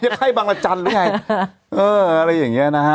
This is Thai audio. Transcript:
ไข้บางรจันทร์หรือไงเอออะไรอย่างเงี้ยนะฮะ